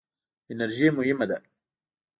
انرژي مهمه ده.